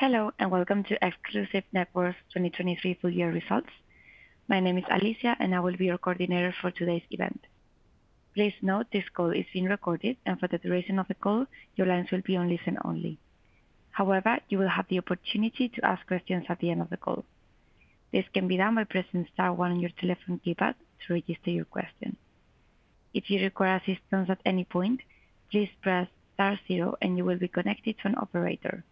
Hello and welcome to Exclusive Networks 2023 full year results. My name is Alicia, and I will be your coordinator for today's event. Please note this call is being recorded, and for the duration of the call, your lines will be on listen only. However, you will have the opportunity to ask questions at the end of the call. This can be done by pressing star one on your telephone keypad to register your question. If you require assistance at any point, please press star zero, and you will be connected to an operator.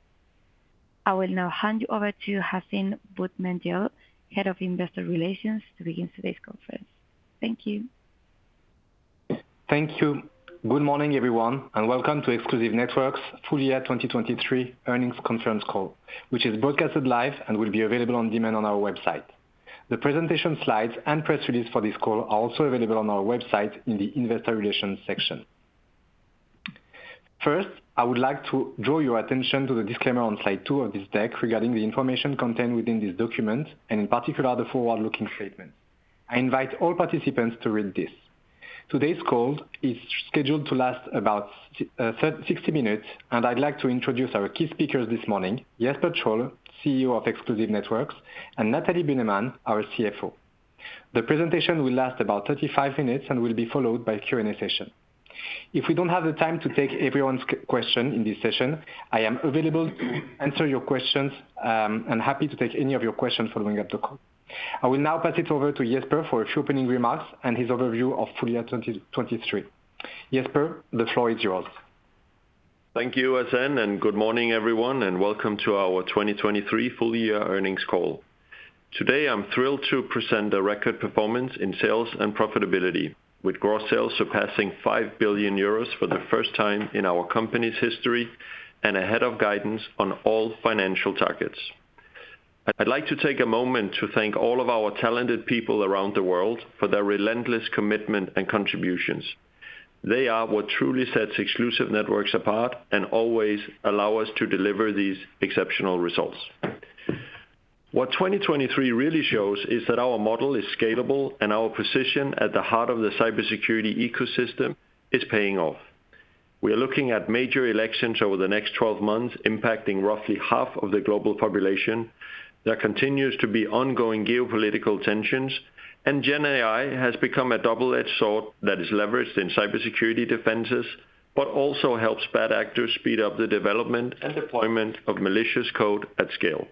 I will now hand you over to Hacène Boumendjel, Head of Investor Relations, to begin today's conference. Thank you. Thank you. Good morning, everyone, and welcome to Exclusive Networks full year 2023 earnings conference call, which is broadcasted live and will be available on demand on our website. The presentation slides and press release for this call are also available on our website in the investor relations section. First, I would like to draw your attention to the disclaimer on slide two of this deck regarding the information contained within this document, and in particular, the forward-looking statements. I invite all participants to read this. Today's call is scheduled to last about 60 minutes, and I'd like to introduce our key speakers this morning, Jesper Trolle, CEO of Exclusive Networks, and Nathalie Bühnemann, our CFO. The presentation will last about 35 minutes and will be followed by a Q&A session. If we don't have the time to take everyone's question in this session, I am available to answer your questions and happy to take any of your questions following up the call. I will now pass it over to Jesper for a few opening remarks and his overview of full year 2023. Jesper, the floor is yours. Thank you, Hacène, and good morning, everyone, and welcome to our 2023 full year earnings call. Today, I'm thrilled to present a record performance in sales and profitability, with gross sales surpassing 5 billion euros for the first time in our company's history and ahead of guidance on all financial targets. I'd like to take a moment to thank all of our talented people around the world for their relentless commitment and contributions. They are what truly sets Exclusive Networks apart and always allow us to deliver these exceptional results. What 2023 really shows is that our model is scalable and our position at the heart of the cybersecurity ecosystem is paying off. We are looking at major elections over the next 12 months impacting roughly half of the global population. There continues to be ongoing geopolitical tensions, and GenAI has become a double-edged sword that is leveraged in cybersecurity defenses but also helps bad actors speed up the development and deployment of malicious code at scale.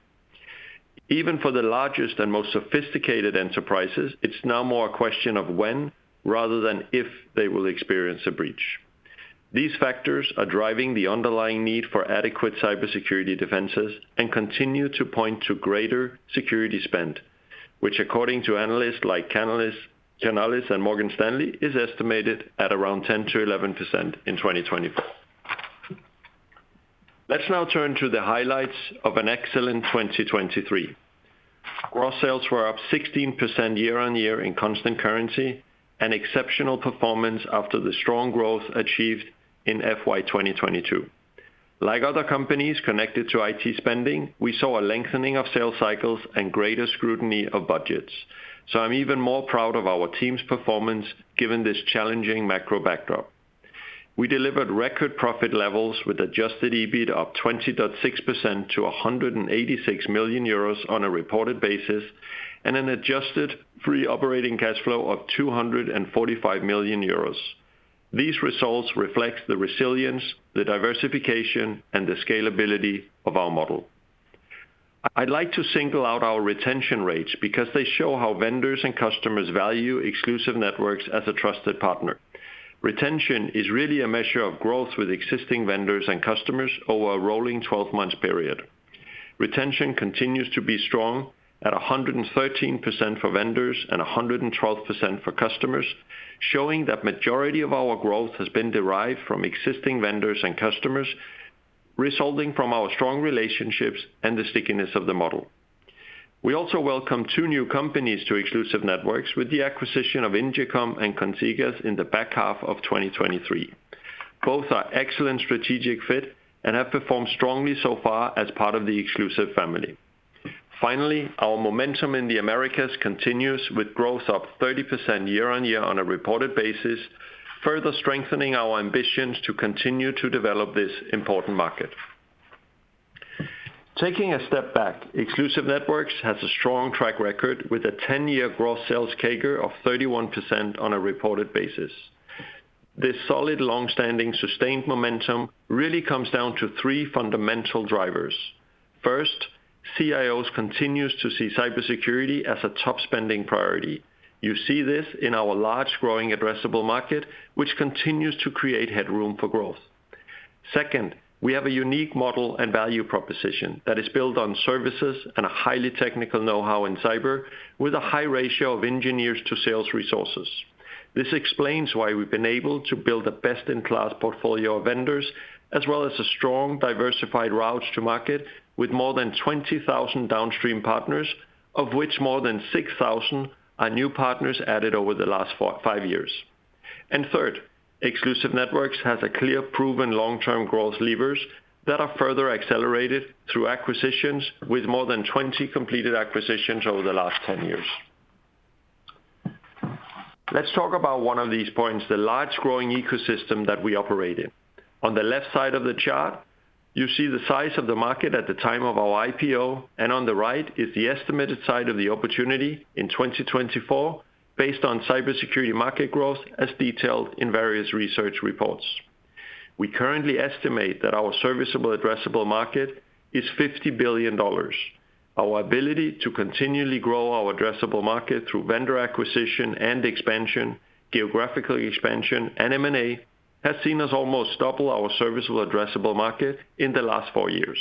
Even for the largest and most sophisticated enterprises, it's now more a question of when rather than if they will experience a breach. These factors are driving the underlying need for adequate cybersecurity defenses and continue to point to greater security spend, which, according to analysts like Canalys and Morgan Stanley, is estimated at around 10%-11% in 2024. Let's now turn to the highlights of an excellent 2023. Gross sales were up 16% year-on-year in constant currency and exceptional performance after the strong growth achieved in FY 2022. Like other companies connected to IT spending, we saw a lengthening of sales cycles and greater scrutiny of budgets, so I'm even more proud of our team's performance given this challenging macro backdrop. We delivered record profit levels with adjusted EBIT up 20.6% to 186 million euros on a reported basis and an adjusted free operating cash flow of 245 million euros. These results reflect the resilience, the diversification, and the scalability of our model. I'd like to single out our retention rates because they show how vendors and customers value Exclusive Networks as a trusted partner. Retention is really a measure of growth with existing vendors and customers over a rolling 12-month period. Retention continues to be strong at 113% for vendors and 112% for customers, showing that the majority of our growth has been derived from existing vendors and customers, resulting from our strong relationships and the stickiness of the model. We also welcome two new companies to Exclusive Networks with the acquisition of Ingecom and Consigas in the back half of 2023. Both are excellent strategic fit and have performed strongly so far as part of the Exclusive family. Finally, our momentum in the Americas continues with growth up 30% year-on-year on a reported basis, further strengthening our ambitions to continue to develop this important market. Taking a step back, Exclusive Networks has a strong track record with a 10-year gross sales CAGR of 31% on a reported basis. This solid, longstanding, sustained momentum really comes down to three fundamental drivers. First, CIOs continue to see cybersecurity as a top spending priority. You see this in our large, growing, addressable market, which continues to create headroom for growth. Second, we have a unique model and value proposition that is built on services and a highly technical know-how in cyber with a high ratio of engineers to sales resources. This explains why we've been able to build a best-in-class portfolio of vendors as well as a strong, diversified route to market with more than 20,000 downstream partners, of which more than 6,000 are new partners added over the last five years. And third, Exclusive Networks has a clear, proven long-term growth levers that are further accelerated through acquisitions with more than 20 completed acquisitions over the last 10 years. Let's talk about one of these points, the large, growing ecosystem that we operate in. On the left side of the chart, you see the size of the market at the time of our IPO, and on the right is the estimated size of the opportunity in 2024 based on cybersecurity market growth as detailed in various research reports. We currently estimate that our serviceable addressable market is $50 billion. Our ability to continually grow our addressable market through vendor acquisition and expansion, geographical expansion, and M&A has seen us almost double our serviceable addressable market in the last four years.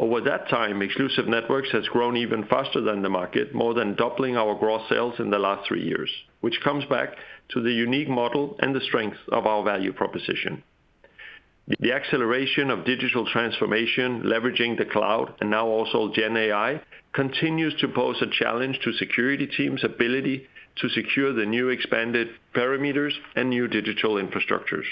Over that time, Exclusive Networks has grown even faster than the market, more than doubling our gross sales in the last three years, which comes back to the unique model and the strength of our value proposition. The acceleration of digital transformation, leveraging the cloud and now also GenAI, continues to pose a challenge to security teams' ability to secure the new expanded parameters and new digital infrastructures.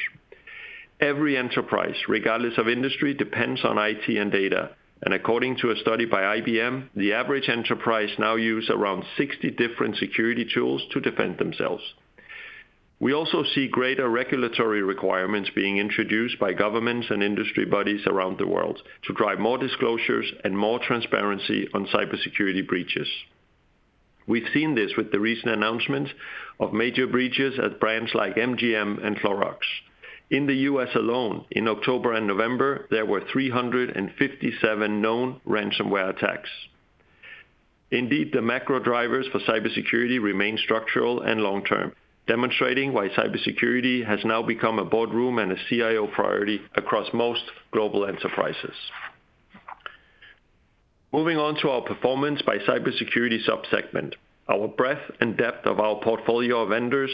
Every enterprise, regardless of industry, depends on IT and data, and according to a study by IBM, the average enterprise now uses around 60 different security tools to defend themselves. We also see greater regulatory requirements being introduced by governments and industry bodies around the world to drive more disclosures and more transparency on cybersecurity breaches. We've seen this with the recent announcements of major breaches at brands like MGM and Clorox. In the U.S. alone, in October and November, there were 357 known ransomware attacks. Indeed, the macro drivers for cybersecurity remain structural and long-term, demonstrating why cybersecurity has now become a boardroom and a CIO priority across most global enterprises. Moving on to our performance by cybersecurity subsegment, our breadth and depth of our portfolio of vendors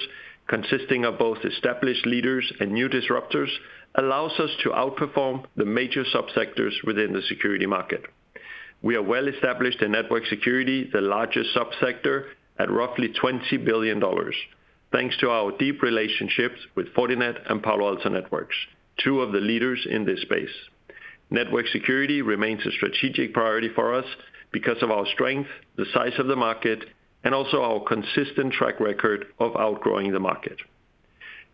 consisting of both established leaders and new disruptors allows us to outperform the major subsectors within the security market. We are well-established in network security, the largest subsector at roughly $20 billion, thanks to our deep relationships with Fortinet and Palo Alto Networks, two of the leaders in this space. Network security remains a strategic priority for us because of our strength, the size of the market, and also our consistent track record of outgrowing the market.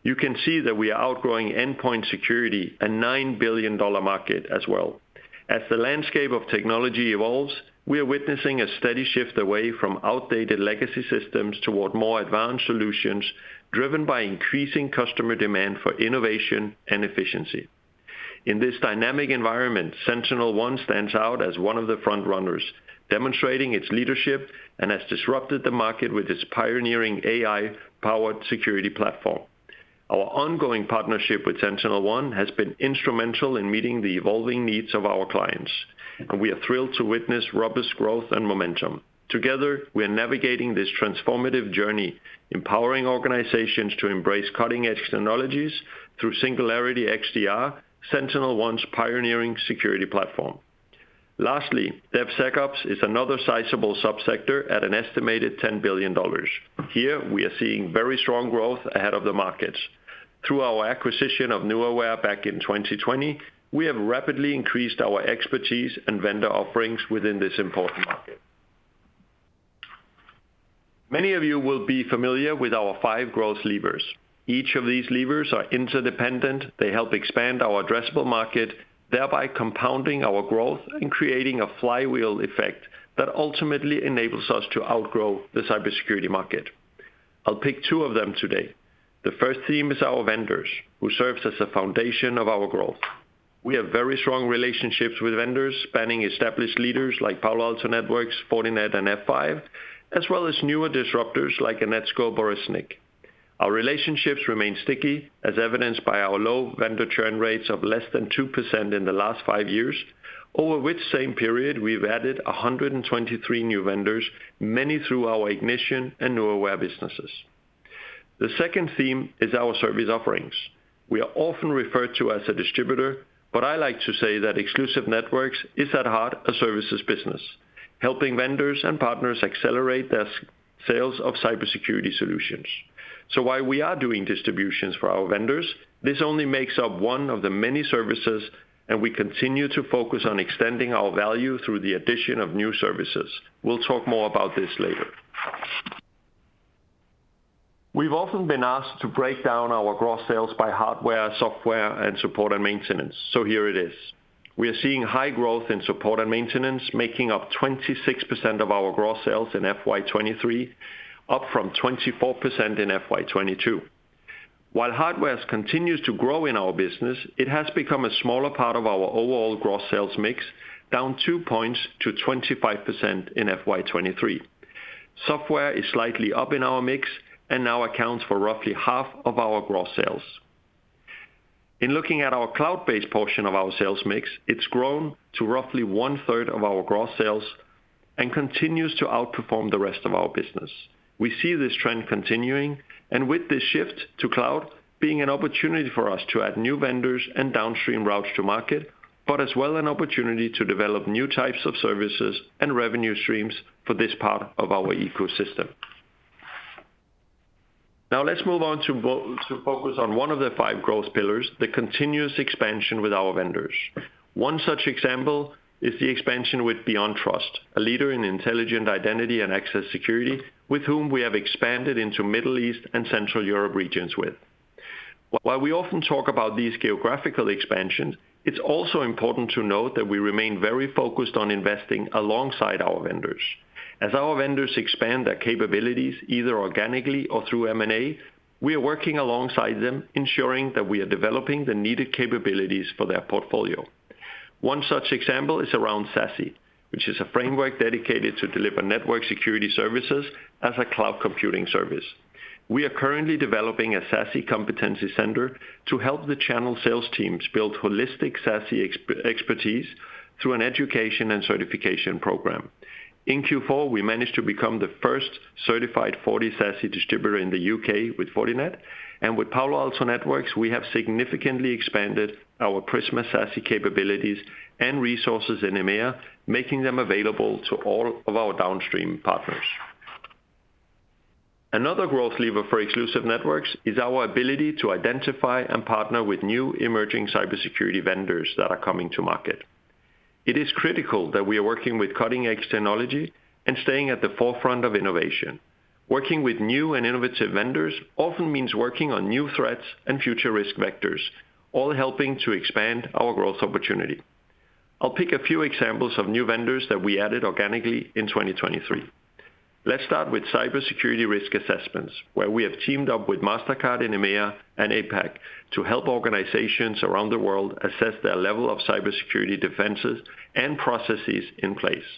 You can see that we are outgrowing endpoint security, a $9 billion market, as well. As the landscape of technology evolves, we are witnessing a steady shift away from outdated legacy systems toward more advanced solutions driven by increasing customer demand for innovation and efficiency. In this dynamic environment, SentinelOne stands out as one of the front-runners, demonstrating its leadership and has disrupted the market with its pioneering AI-powered security platform. Our ongoing partnership with SentinelOne has been instrumental in meeting the evolving needs of our clients, and we are thrilled to witness robust growth and momentum. Together, we are navigating this transformative journey, empowering organizations to embrace cutting-edge technologies through Singularity XDR, SentinelOne's pioneering security platform. Lastly, DevSecOps is another sizable subsector at an estimated $10 billion. Here, we are seeing very strong growth ahead of the markets. Through our acquisition of Nuaware back in 2020, we have rapidly increased our expertise and vendor offerings within this important market. Many of you will be familiar with our five growth levers. Each of these levers is interdependent. They help expand our addressable market, thereby compounding our growth and creating a flywheel effect that ultimately enables us to outgrow the cybersecurity market. I'll pick two of them today. The first theme is our vendors, who serve as the foundation of our growth. We have very strong relationships with vendors spanning established leaders like Palo Alto Networks, Fortinet, and F5, as well as newer disruptors like Netskope, Varonis. Our relationships remain sticky, as evidenced by our low vendor churn rates of less than 2% in the last five years, over which same period we've added 123 new vendors, many through our Ignition and Nuaware businesses. The second theme is our service offerings. We are often referred to as a distributor, but I like to say that Exclusive Networks is, at heart, a services business, helping vendors and partners accelerate their sales of cybersecurity solutions. So while we are doing distributions for our vendors, this only makes up one of the many services, and we continue to focus on extending our value through the addition of new services. We'll talk more about this later. We've often been asked to break down our gross sales by hardware, software, and support and maintenance, so here it is. We are seeing high growth in support and maintenance, making up 26% of our gross sales in FY 2023, up from 24% in FY 2022. While hardware continues to grow in our business, it has become a smaller part of our overall gross sales mix, down two points to 25% in FY 2023. Software is slightly up in our mix and now accounts for roughly half of our gross sales. In looking at our cloud-based portion of our sales mix, it's grown to roughly one-third of our gross sales and continues to outperform the rest of our business. We see this trend continuing, and with this shift to cloud being an opportunity for us to add new vendors and downstream routes to market, but as well an opportunity to develop new types of services and revenue streams for this part of our ecosystem. Now, let's move on to focus on one of the five growth pillars, the continuous expansion with our vendors. One such example is the expansion with BeyondTrust, a leader in intelligent identity and access security with whom we have expanded into Middle East and Central Europe regions with. While we often talk about these geographical expansions, it's also important to note that we remain very focused on investing alongside our vendors. As our vendors expand their capabilities, either organically or through M&A, we are working alongside them, ensuring that we are developing the needed capabilities for their portfolio. One such example is around SASE, which is a framework dedicated to deliver network security services as a cloud computing service. We are currently developing a SASE competency center to help the channel sales teams build holistic SASE expertise through an education and certification program. In Q4, we managed to become the first certified FortiSASE distributor in the UK with Fortinet, and with Palo Alto Networks, we have significantly expanded our Prisma SASE capabilities and resources in EMEA, making them available to all of our downstream partners. Another growth lever for Exclusive Networks is our ability to identify and partner with new emerging cybersecurity vendors that are coming to market. It is critical that we are working with cutting-edge technology and staying at the forefront of innovation. Working with new and innovative vendors often means working on new threats and future risk vectors, all helping to expand our growth opportunity. I'll pick a few examples of new vendors that we added organically in 2023. Let's start with cybersecurity risk assessments, where we have teamed up with Mastercard in EMEA and APAC to help organizations around the world assess their level of cybersecurity defenses and processes in place.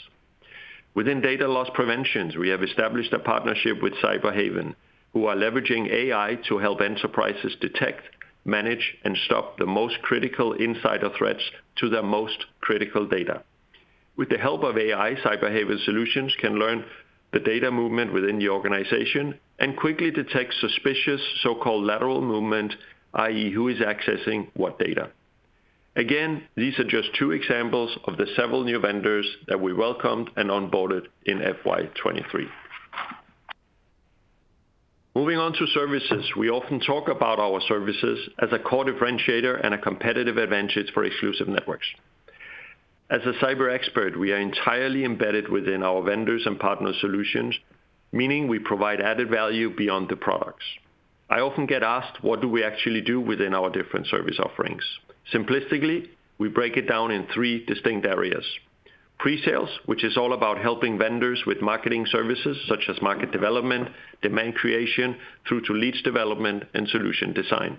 Within data loss preventions, we have established a partnership with Cyberhaven, who are leveraging AI to help enterprises detect, manage, and stop the most critical insider threats to their most critical data. With the help of AI, Cyberhaven solutions can learn the data movement within the organization and quickly detect suspicious so-called lateral movement, i.e., who is accessing what data. Again, these are just two examples of the several new vendors that we welcomed and onboarded in FY 2023. Moving on to services, we often talk about our services as a core differentiator and a competitive advantage for Exclusive Networks. As a cyber expert, we are entirely embedded within our vendors and partners' solutions, meaning we provide added value beyond the products. I often get asked, "What do we actually do within our different service offerings?" Simplistically, we break it down in three distinct areas: presales, which is all about helping vendors with marketing services such as market development, demand creation, through to leads development, and solution design.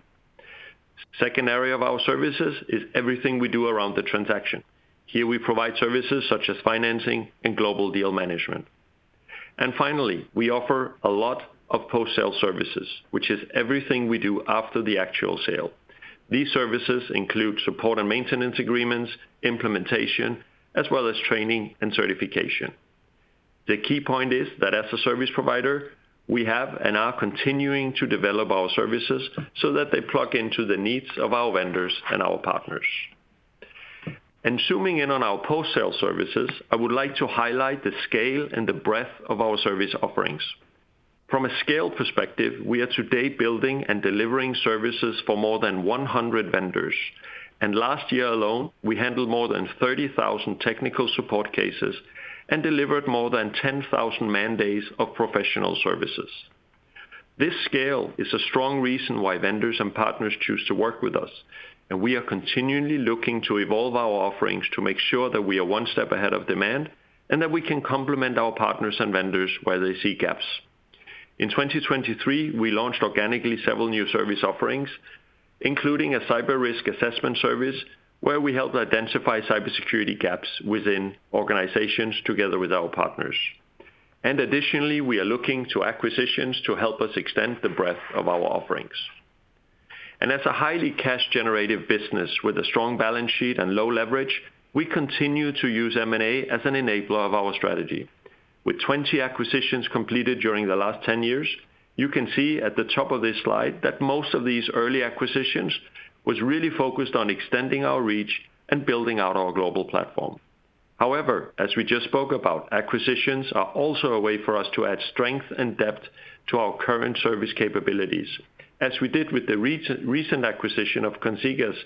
The second area of our services is everything we do around the transaction. Here, we provide services such as financing and global deal management. And finally, we offer a lot of post-sale services, which is everything we do after the actual sale. These services include support and maintenance agreements, implementation, as well as training and certification. The key point is that, as a service provider, we have and are continuing to develop our services so that they plug into the needs of our vendors and our partners. Zooming in on our post-sale services, I would like to highlight the scale and the breadth of our service offerings. From a scale perspective, we are today building and delivering services for more than 100 vendors, and last year alone, we handled more than 30,000 technical support cases and delivered more than 10,000 mandates of professional services. This scale is a strong reason why vendors and partners choose to work with us, and we are continually looking to evolve our offerings to make sure that we are one step ahead of demand and that we can complement our partners and vendors where they see gaps. In 2023, we launched organically several new service offerings, including a cyber risk assessment service where we helped identify cybersecurity gaps within organizations together with our partners. Additionally, we are looking to acquisitions to help us extend the breadth of our offerings. As a highly cash-generative business with a strong balance sheet and low leverage, we continue to use M&A as an enabler of our strategy. With 20 acquisitions completed during the last 10 years, you can see at the top of this slide that most of these early acquisitions were really focused on extending our reach and building out our global platform. However, as we just spoke about, acquisitions are also a way for us to add strength and depth to our current service capabilities, as we did with the recent acquisition of Consigas,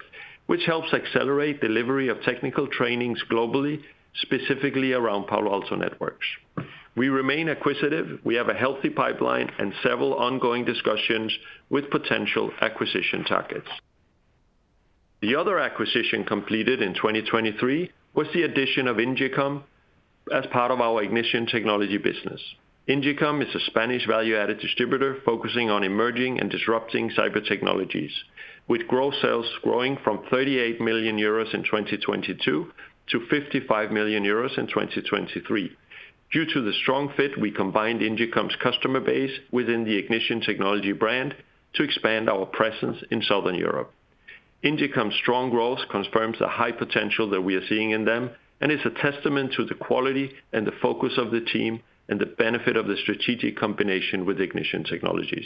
which helps accelerate delivery of technical trainings globally, specifically around Palo Alto Networks. We remain acquisitive. We have a healthy pipeline and several ongoing discussions with potential acquisition targets. The other acquisition completed in 2023 was the addition of Ingecom as part of our Ignition Technology business. Ingecom is a Spanish value-added distributor focusing on emerging and disruptive cyber technologies, with gross sales growing from 38 million euros in 2022 to 55 million euros in 2023. Due to the strong fit, we combined Ingecom's customer base within the Ignition Technology brand to expand our presence in Southern Europe. Ingecom's strong growth confirms the high potential that we are seeing in them and is a testament to the quality and the focus of the team and the benefit of the strategic combination with Ignition Technology.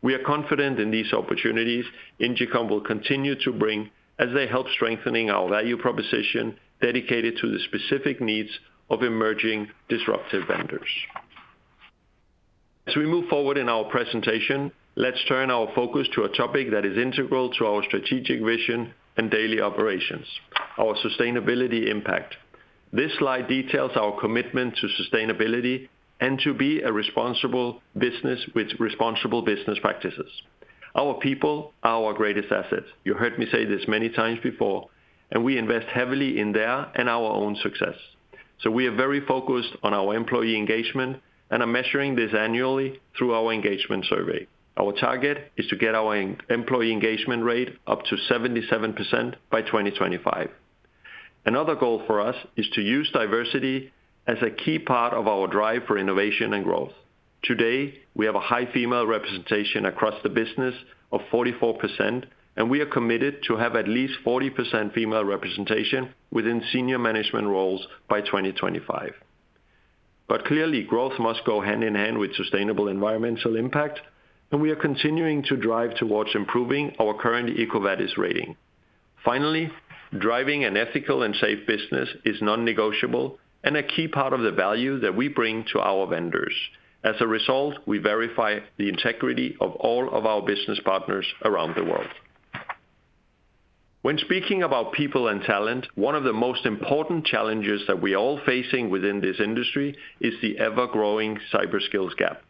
We are confident in these opportunities Ingecom will continue to bring as they help strengthen our value proposition dedicated to the specific needs of emerging disruptive vendors. As we move forward in our presentation, let's turn our focus to a topic that is integral to our strategic vision and daily operations: our sustainability impact. This slide details our commitment to sustainability and to be a responsible business with responsible business practices. Our people are our greatest assets. You heard me say this many times before, and we invest heavily in their and our own success. So we are very focused on our employee engagement and are measuring this annually through our engagement survey. Our target is to get our employee engagement rate up to 77% by 2025. Another goal for us is to use diversity as a key part of our drive for innovation and growth. Today, we have a high female representation across the business of 44%, and we are committed to have at least 40% female representation within senior management roles by 2025. But clearly, growth must go hand in hand with sustainable environmental impact, and we are continuing to drive towards improving our current EcoVadis rating. Finally, driving an ethical and safe business is non-negotiable and a key part of the value that we bring to our vendors. As a result, we verify the integrity of all of our business partners around the world. When speaking about people and talent, one of the most important challenges that we are all facing within this industry is the ever-growing cyberskills gap.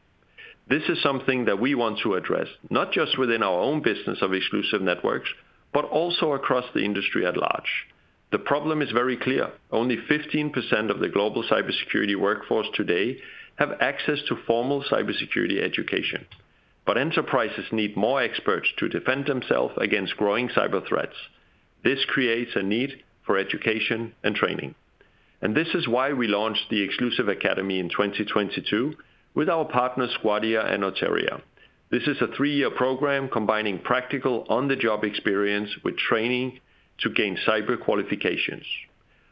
This is something that we want to address, not just within our own business of Exclusive Networks, but also across the industry at large. The problem is very clear. Only 15% of the global cybersecurity workforce today have access to formal cybersecurity education. But enterprises need more experts to defend themselves against growing cyber threats. This creates a need for education and training. And this is why we launched the Exclusive Academy in 2022 with our partners Guardia and Oteria. This is a three-year program combining practical on-the-job experience with training to gain cyber qualifications.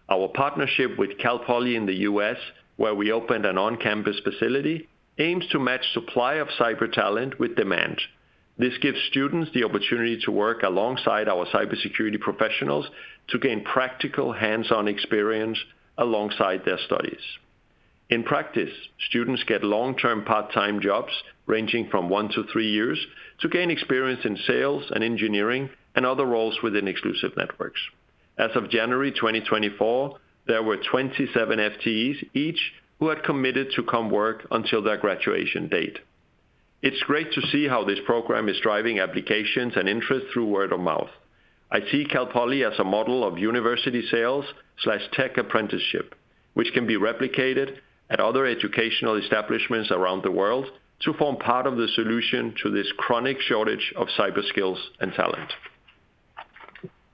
Our partnership with Cal Poly in the U.S., where we opened an on-campus facility, aims to match the supply of cyber talent with demand. This gives students the opportunity to work alongside our cybersecurity professionals to gain practical hands-on experience alongside their studies. In practice, students get long-term part-time jobs ranging from one to three years to gain experience in sales and engineering and other roles within Exclusive Networks. As of January 2024, there were 27 FTEs each who had committed to come work until their graduation date. It's great to see how this program is driving applications and interest through word of mouth. I see Cal Poly as a model of university sales/tech apprenticeship, which can be replicated at other educational establishments around the world to form part of the solution to this chronic shortage of cyberskills and talent.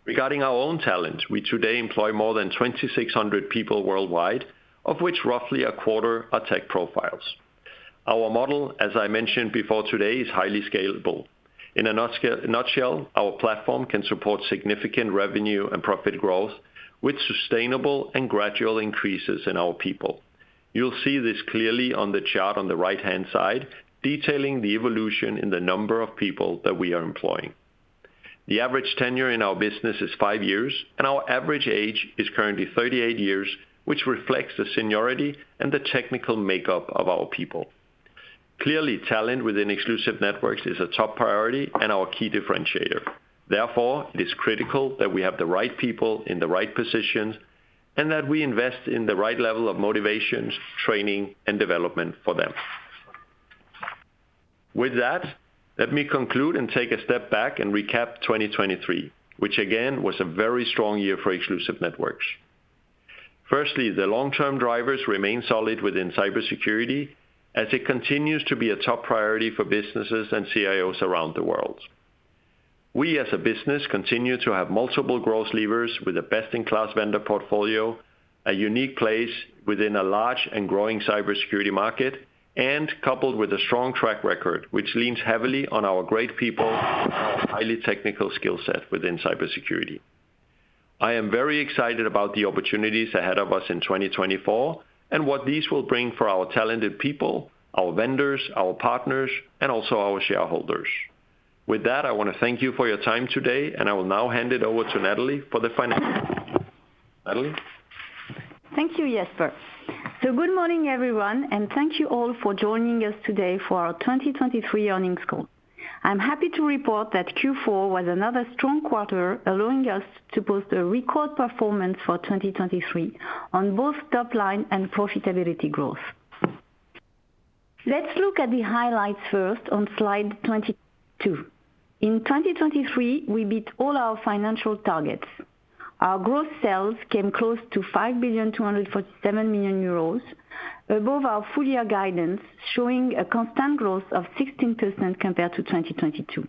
Regarding our own talent, we today employ more than 2,600 people worldwide, of which roughly a quarter are tech profiles. Our model, as I mentioned before today, is highly scalable. In a nutshell, our platform can support significant revenue and profit growth with sustainable and gradual increases in our people. You'll see this clearly on the chart on the right-hand side detailing the evolution in the number of people that we are employing. The average tenure in our business is five years, and our average age is currently 38 years, which reflects the seniority and the technical makeup of our people. Clearly, talent within Exclusive Networks is a top priority and our key differentiator. Therefore, it is critical that we have the right people in the right positions and that we invest in the right level of motivations, training, and development for them. With that, let me conclude and take a step back and recap 2023, which again was a very strong year for Exclusive Networks. Firstly, the long-term drivers remain solid within cybersecurity as it continues to be a top priority for businesses and CIOs around the world. We, as a business, continue to have multiple growth levers with a best-in-class vendor portfolio, a unique place within a large and growing cybersecurity market, and coupled with a strong track record, which leans heavily on our great people and our highly technical skill set within cybersecurity. I am very excited about the opportunities ahead of us in 2024 and what these will bring for our talented people, our vendors, our partners, and also our shareholders. With that, I want to thank you for your time today, and I will now hand it over to Nathalie for the final. Nathalie? Thank you, Jesper. Good morning, everyone, and thank you all for joining us today for our 2023 earnings call. I'm happy to report that Q4 was another strong quarter, allowing us to post a record performance for 2023 on both top line and profitability growth. Let's look at the highlights first on slide 22. In 2023, we beat all our financial targets. Our gross sales came close to 5,247,000,000 euros, above our full-year guidance, showing a constant growth of 16% compared to 2022.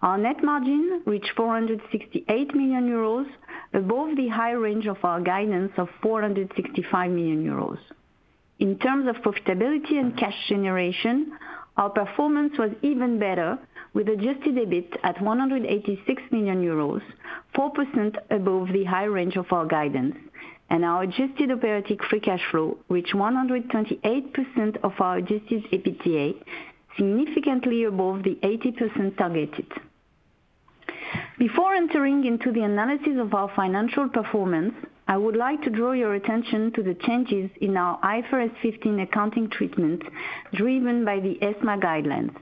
Our net margin reached 468 million euros, above the high range of our guidance of 465 million euros. In terms of profitability and cash generation, our performance was even better with adjusted EBIT at 186 million euros, 4% above the high range of our guidance, and our adjusted operating free cash flow reached 128% of our adjusted EBITDA, significantly above the 80% targeted. Before entering into the analysis of our financial performance, I would like to draw your attention to the changes in our IFRS 15 accounting treatment driven by the ESMA guidelines.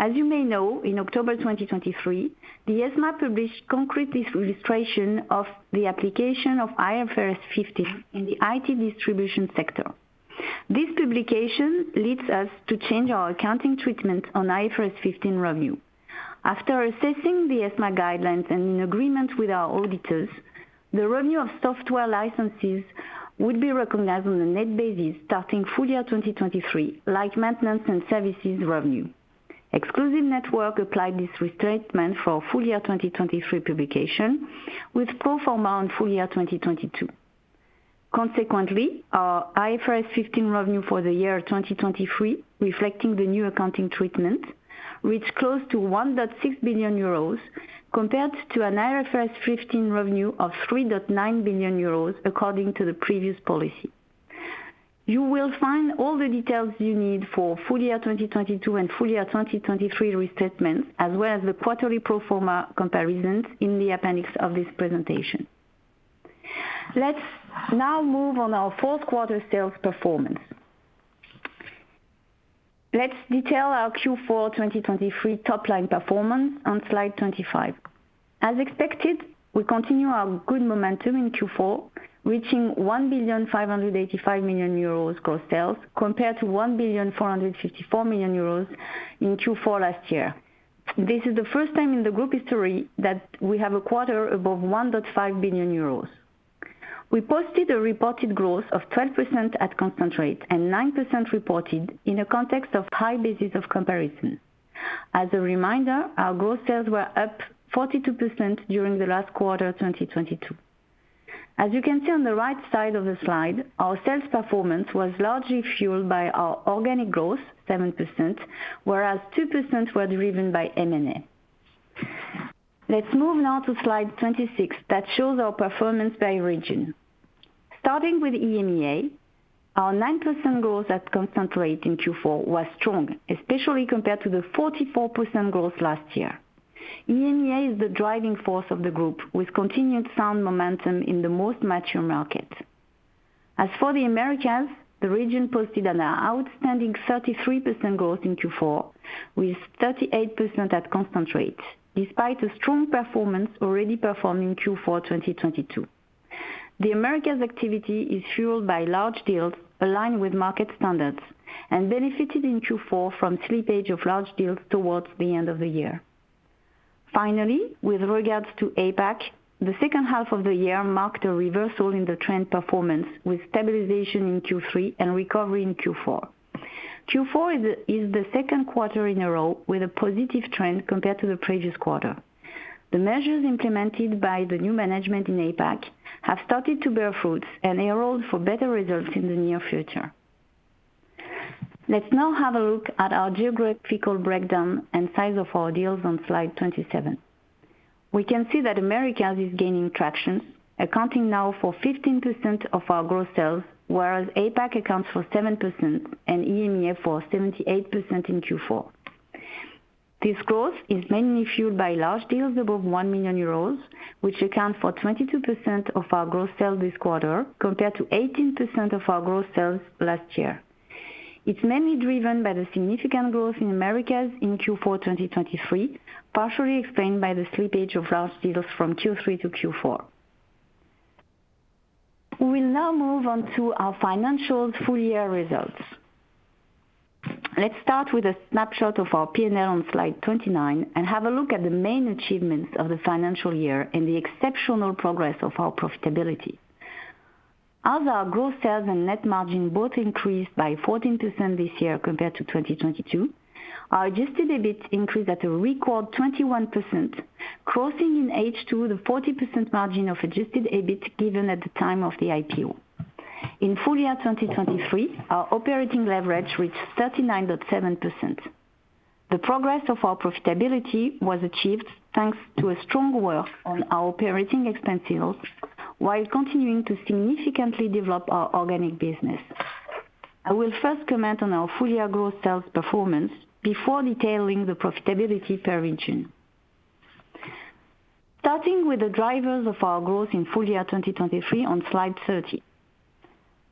As you may know, in October 2023, the ESMA published concrete illustration of the application of IFRS 15 in the IT distribution sector. This publication leads us to change our accounting treatment on IFRS 15 revenue. After assessing the ESMA guidelines and in agreement with our auditors, the revenue of software licenses would be recognized on a net basis starting full year 2023, like maintenance and services revenue. Exclusive Networks applied this restatement for full year 2023 publication with pro forma on full year 2022. Consequently, our IFRS 15 revenue for the year 2023, reflecting the new accounting treatment, reached close to 1.6 billion euros compared to an IFRS 15 revenue of 3.9 billion euros, according to the previous policy. You will find all the details you need for full year 2022 and full year 2023 restatements, as well as the quarterly pro forma comparisons in the appendix of this presentation. Let's now move on our fourth quarter sales performance. Let's detail our Q4 2023 top line performance on slide 25. As expected, we continue our good momentum in Q4, reaching 1,585,000,000 euros gross sales compared to 1,454,000,000 euros in Q4 last year. This is the first time in the group history that we have a quarter above 1.5 billion euros. We posted a reported growth of 12% at constant and 9% reported in a context of high basis of comparison. As a reminder, our gross sales were up 42% during the last quarter 2022. As you can see on the right side of the slide, our sales performance was largely fueled by our organic growth, 7%, whereas 2% were driven by M&A. Let's move now to slide 26 that shows our performance by region. Starting with EMEA, our 9% growth at constant in Q4 was strong, especially compared to the 44% growth last year. EMEA is the driving force of the group with continued sound momentum in the most mature market. As for the Americas, the region posted an outstanding 33% growth in Q4 with 38% at constant, despite a strong performance already performed in Q4 2022. The Americas' activity is fueled by large deals aligned with market standards and benefited in Q4 from slippage of large deals towards the end of the year. Finally, with regards to APAC, the second half of the year marked a reversal in the trend performance with stabilization in Q3 and recovery in Q4. Q4 is the second quarter in a row with a positive trend compared to the previous quarter. The measures implemented by the new management in APAC have started to bear fruit and bode for better results in the near future. Let's now have a look at our geographical breakdown and size of our deals on slide 27. We can see that Americas is gaining traction, accounting now for 15% of our gross sales, whereas APAC accounts for 7% and EMEA for 78% in Q4. This growth is mainly fueled by large deals above 1 million euros, which account for 22% of our gross sales this quarter compared to 18% of our gross sales last year. It's mainly driven by the significant growth in Americas in Q4 2023, partially explained by the slippage of large deals from Q3 to Q4. We will now move on to our financials full year results. Let's start with a snapshot of our P&L on slide 29 and have a look at the main achievements of the financial year and the exceptional progress of our profitability. As our gross sales and net margin both increased by 14% this year compared to 2022, our adjusted EBIT increased at a record 21%, crossing in H2 the 40% margin of adjusted EBIT given at the time of the IPO. In full year 2023, our operating leverage reached 39.7%. The progress of our profitability was achieved thanks to a strong work on our operating expense deals while continuing to significantly develop our organic business. I will first comment on our full year gross sales performance before detailing the profitability per region. Starting with the drivers of our growth in full year 2023 on slide 30.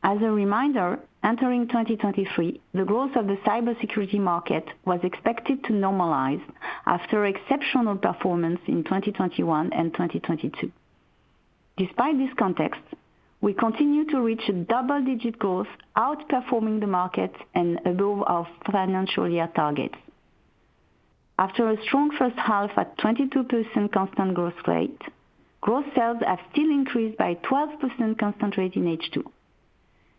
As a reminder, entering 2023, the growth of the cybersecurity market was expected to normalize after exceptional performance in 2021 and 2022. Despite this context, we continue to reach a double-digit growth outperforming the market and above our financial year targets. After a strong first half at 22% constant growth rate, gross sales have still increased by 12% concentrated in H2.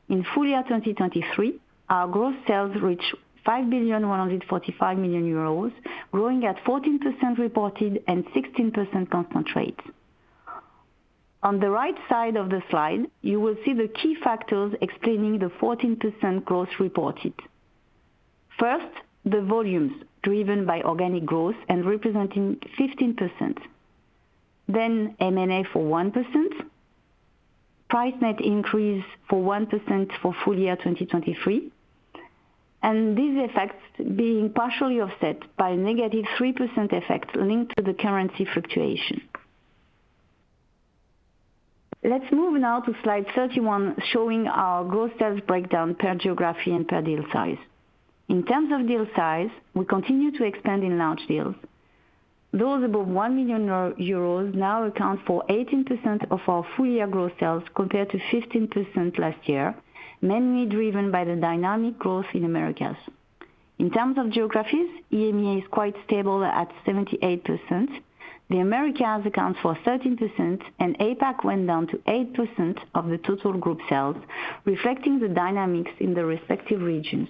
In full year 2023, our gross sales reached 5,145,000,000 euros, growing at 14% reported and 16% constant rate. On the right side of the slide, you will see the key factors explaining the 14% growth reported. First, the volumes driven by organic growth and representing 15%. Then, M&A for 1%. Price net increase for 1% for full year 2023. And these effects being partially offset by a -3% effect linked to the currency fluctuation. Let's move now to slide 31 showing our gross sales breakdown per geography and per deal size. In terms of deal size, we continue to expand in large deals. Those above 1 million euros now account for 18% of our full year gross sales compared to 15% last year, mainly driven by the dynamic growth in Americas. In terms of geographies, EMEA is quite stable at 78%. The Americas account for 13%, and APAC went down to 8% of the total group sales, reflecting the dynamics in the respective regions.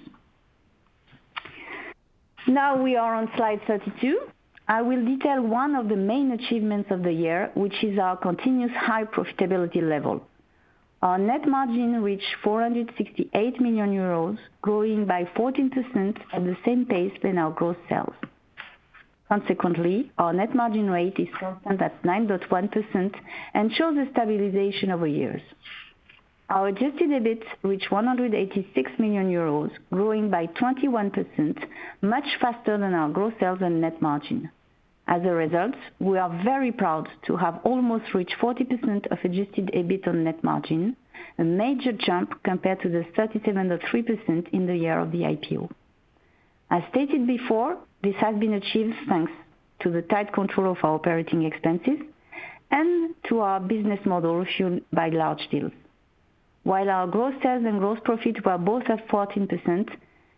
Now we are on slide 32. I will detail one of the main achievements of the year, which is our continuous high profitability level. Our net margin reached 468 million euros, growing by 14% at the same pace than our gross sales. Consequently, our net margin rate is constant at 9.1% and shows a stabilization over years. Our adjusted EBIT reached 186 million euros, growing by 21%, much faster than our gross sales and net margin. As a result, we are very proud to have almost reached 40% of adjusted EBIT on net margin, a major jump compared to the 37.3% in the year of the IPO. As stated before, this has been achieved thanks to the tight control of our operating expenses and to our business model fueled by large deals. While our gross sales and gross profit were both at 14%,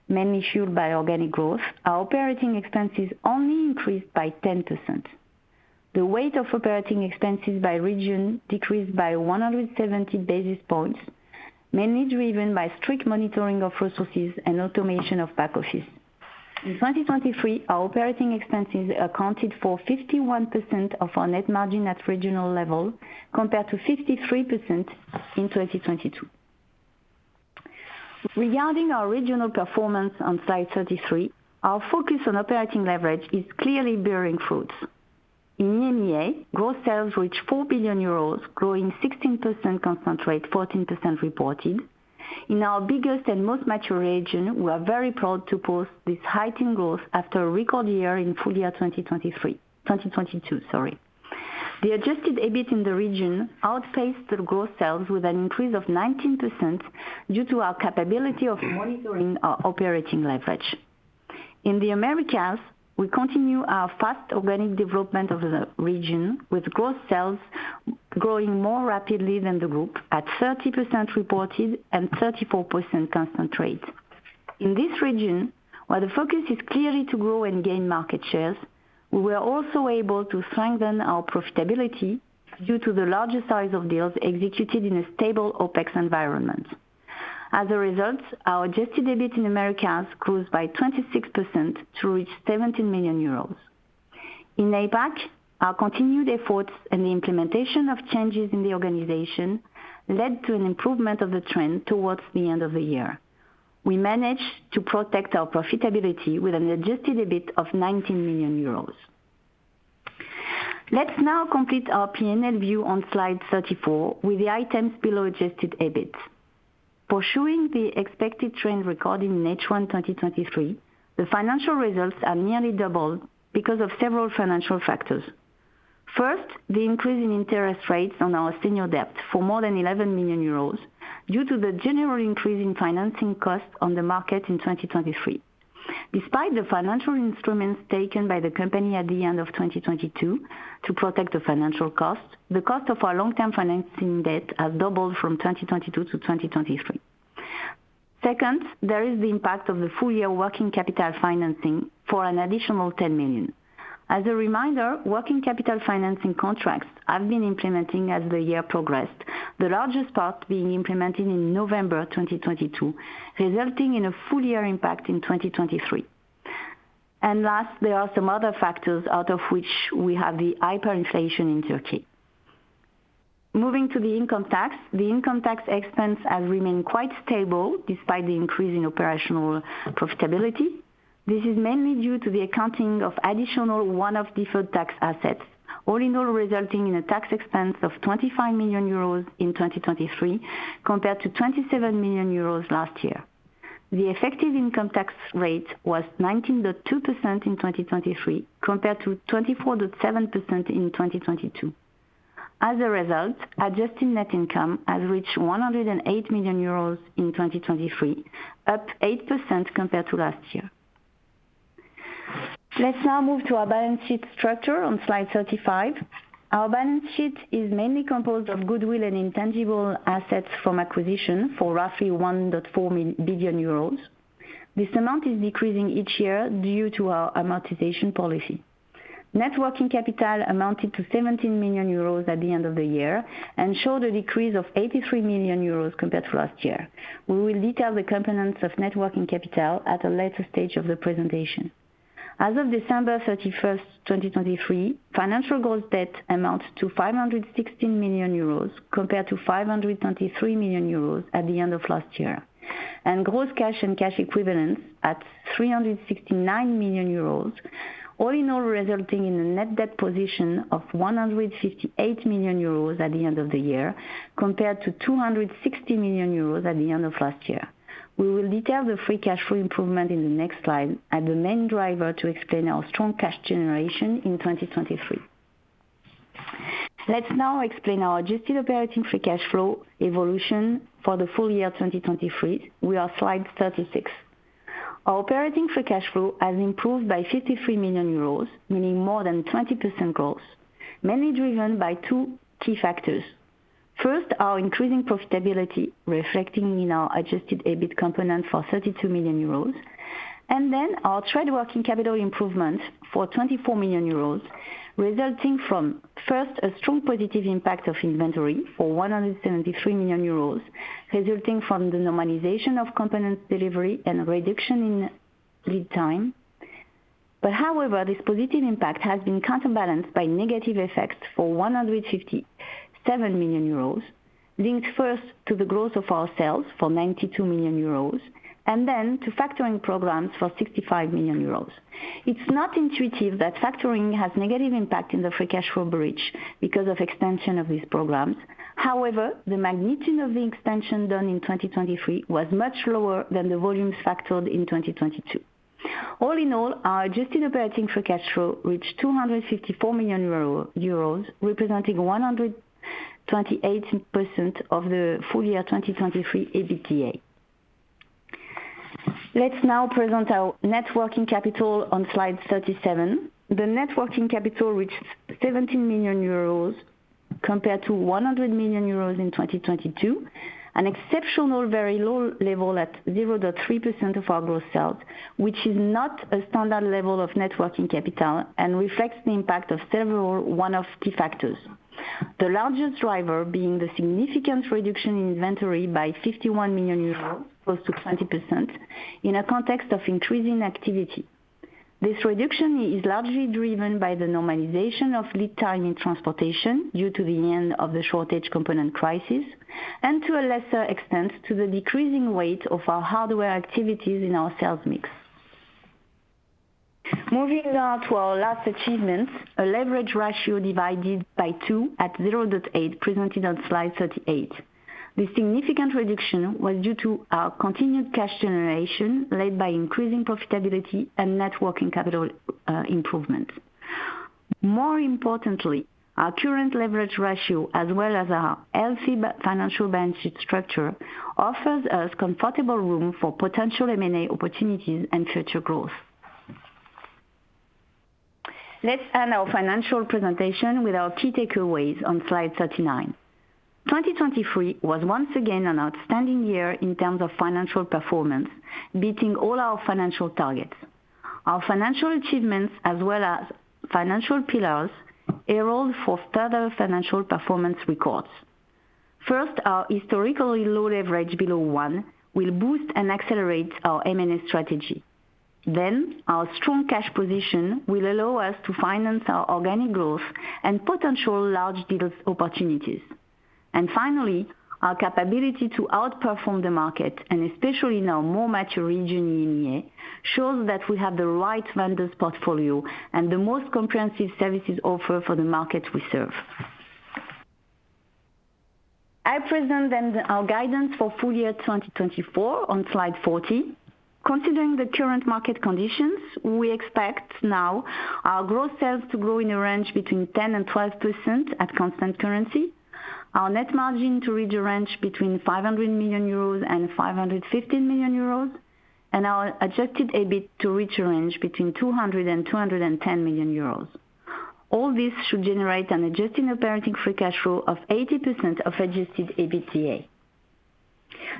mainly fueled by organic growth, our operating expenses only increased by 10%. The weight of operating expenses by region decreased by 170 basis points, mainly driven by strict monitoring of resources and automation of back office. In 2023, our operating expenses accounted for 51% of our net margin at regional level compared to 53% in 2022. Regarding our regional performance on slide 33, our focus on operating leverage is clearly bearing fruits. In EMEA, gross sales reached 4 billion euros, growing 16% constant, 14% reported. In our biggest and most mature region, we are very proud to post this heightened growth after a record year in full year 2023, 2022, sorry. The adjusted EBIT in the region outpaced the gross sales with an increase of 19% due to our capability of monitoring our operating leverage. In the Americas, we continue our fast organic development of the region with gross sales growing more rapidly than the group at 30% reported and 34% constant. In this region, while the focus is clearly to grow and gain market shares, we were also able to strengthen our profitability due to the larger size of deals executed in a stable OpEx environment. As a result, our adjusted EBIT in Americas grew by 26% to reach 17 million euros. In APAC, our continued efforts and the implementation of changes in the organization led to an improvement of the trend towards the end of the year. We managed to protect our profitability with an adjusted EBIT of 19 million euros. Let's now complete our P&L view on slide 34 with the items below adjusted EBIT. Pursuing the expected trend recorded in H1 2023, the financial results are nearly doubled because of several financial factors. First, the increase in interest rates on our senior debt for more than 11 million euros due to the general increase in financing costs on the market in 2023. Despite the financial instruments taken by the company at the end of 2022 to protect the financial costs, the cost of our long-term financing debt has doubled from 2022 to 2023. Second, there is the impact of the full year working capital financing for an additional 10 million. As a reminder, working capital financing contracts have been implementing as the year progressed, the largest part being implemented in November 2022, resulting in a full year impact in 2023. Last, there are some other factors out of which we have the hyperinflation in Turkey. Moving to the income tax, the income tax expense has remained quite stable despite the increase in operational profitability. This is mainly due to the accounting of additional one-off deferred tax assets, all in all resulting in a tax expense of 25 million euros in 2023 compared to 27 million euros last year. The effective income tax rate was 19.2% in 2023 compared to 24.7% in 2022. As a result, adjusted net income has reached 108 million euros in 2023, up 8% compared to last year. Let's now move to our balance sheet structure on slide 35. Our balance sheet is mainly composed of goodwill and intangible assets from acquisition for roughly 1.4 billion euros. This amount is decreasing each year due to our amortization policy. Working capital amounted to 17 million euros at the end of the year and showed a decrease of 83 million euros compared to last year. We will detail the components of working capital at a later stage of the presentation. As of December 31st, 2023, financial gross debt amounted to 516 million euros compared to 523 million euros at the end of last year. Gross cash and cash equivalents at 369 million euros, all in all resulting in a net debt position of 158 million euros at the end of the year compared to 260 million euros at the end of last year. We will detail the free cash flow improvement in the next slide as the main driver to explain our strong cash generation in 2023. Let's now explain our adjusted operating free cash flow evolution for the full year 2023. We are slide 36. Our operating free cash flow has improved by 53 million euros, meaning more than 20% growth, mainly driven by two key factors. First, our increasing profitability reflecting in our adjusted EBIT component for 32 million euros. Then, our trade working capital improvement for 24 million euros, resulting from, first, a strong positive impact of inventory for 173 million euros, resulting from the normalization of component delivery and reduction in lead time. But, however, this positive impact has been counterbalanced by negative effects for 157 million euros, linked first to the growth of our sales for 92 million euros, and then to factoring programs for 65 million euros. It's not intuitive that factoring has negative impact in the free cash flow breach because of extension of these programs. However, the magnitude of the extension done in 2023 was much lower than the volumes factored in 2022. All in all, our adjusted operating free cash flow reached 254 million euros, representing 128% of the full year 2023 EBITDA. Let's now present our net working capital on slide 37. The net working capital reached 17 million euros compared to 100 million euros in 2022, an exceptional very low level at 0.3% of our gross sales, which is not a standard level of net working capital and reflects the impact of several one-off key factors. The largest driver being the significant reduction in inventory by 51 million euros, close to 20%, in a context of increasing activity. This reduction is largely driven by the normalization of lead time in transportation due to the end of the shortage component crisis, and to a lesser extent to the decreasing weight of our hardware activities in our sales mix. Moving now to our last achievement, a leverage ratio divided by two at 0.8 presented on slide 38. This significant reduction was due to our continued cash generation led by increasing profitability and net working capital improvement. More importantly, our current leverage ratio, as well as our healthy financial balance sheet structure, offers us comfortable room for potential M&A opportunities and future growth. Let's end our financial presentation with our key takeaways on slide 39. 2023 was once again an outstanding year in terms of financial performance, beating all our financial targets. Our financial achievements, as well as financial pillars, herald for further financial performance records. First, our historically low leverage below 1 will boost and accelerate our M&A strategy. Then, our strong cash position will allow us to finance our organic growth and potential large deals opportunities. And finally, our capability to outperform the market, and especially in our more mature region, EMEA, shows that we have the right vendors' portfolio and the most comprehensive services offered for the market we serve. I present then our guidance for full year 2024 on slide 40. Considering the current market conditions, we expect now our gross sales to grow in a range between 10% and 12% at constant currency, our net margin to reach a range between 500 million euros and 515 million euros, and our Adjusted EBIT to reach a range between 200 million and 210 million euros. All this should generate an adjusted operating free cash flow of 80% of Adjusted EBITDA.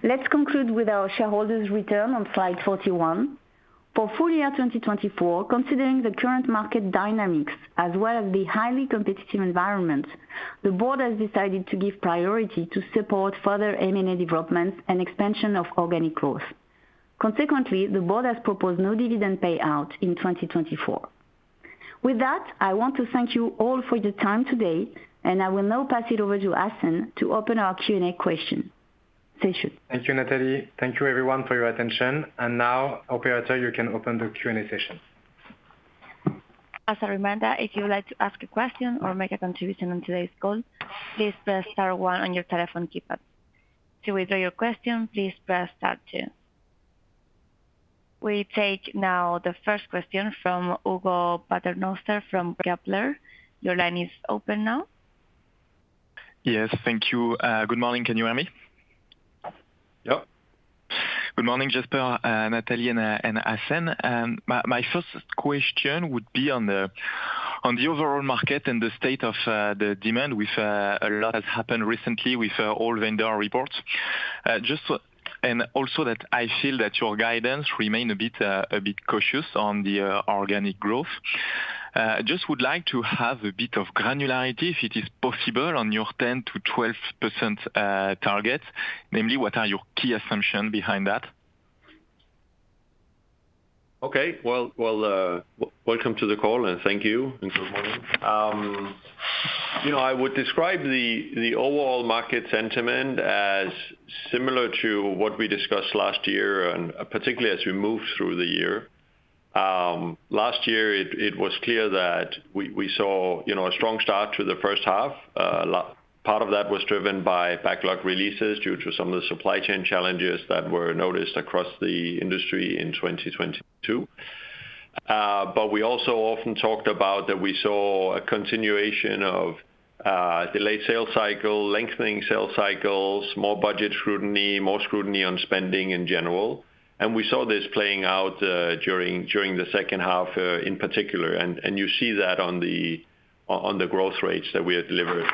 Let's conclude with our shareholders' return on slide 41. For full year 2024, considering the current market dynamics, as well as the highly competitive environment, the board has decided to give priority to support further M&A developments and expansion of organic growth. Consequently, the board has proposed no dividend payout in 2024. With that, I want to thank you all for your time today, and I will now pass it over to Hacène to open our Q&A question. Thank you. Thank you, Nathalie. Thank you, everyone, for your attention. Now, operator, you can open the Q&A session. As a reminder, if you would like to ask a question or make a contribution on today's call, please press star one on your telephone keypad. To withdraw your question, please press star two. We take now the first question from Hugo Paternoster from Kepler. Your line is open now. Yes, thank you. Good morning. Can you hear me? Yep. Good morning, Jesper, Nathalie, and Hacène. My first question would be on the overall market and the state of the demand with a lot that has happened recently with all vendor reports. Also that I feel that your guidance remained a bit cautious on the organic growth. I just would like to have a bit of granularity, if it is possible, on your 10%-12% target, namely, what are your key assumptions behind that? Okay. Well, welcome to the call, and thank you, and good morning. I would describe the overall market sentiment as similar to what we discussed last year, particularly as we move through the year. Last year, it was clear that we saw a strong start to the first half. Part of that was driven by backlog releases due to some of the supply chain challenges that were noticed across the industry in 2022. But we also often talked about that we saw a continuation of delayed sales cycle, lengthening sales cycles, more budget scrutiny, more scrutiny on spending in general. We saw this playing out during the second half in particular. You see that on the growth rates that we have delivered.